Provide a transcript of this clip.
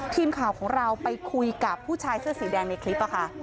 ทีมข่าวของเราไปคุยกับผู้ชายเสื้อสีแดงในคลิปค่ะ